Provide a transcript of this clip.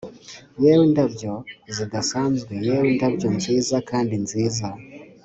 yemwe indabyo zidasanzwe, yewe indabyo nziza kandi nziza